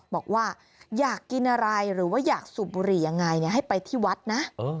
บอกว่าอยากกินอะไรหรือว่าอยากสูบบุหรี่ยังไงให้ไปที่วัดนะ